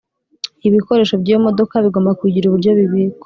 Ibikoresho by’ iyo modoka bigomba kugira uburyo bibikwa